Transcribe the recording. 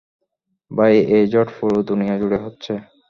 ভাই, এই ঝড় পুরো দুনিয়াজুড়ে হচ্ছে!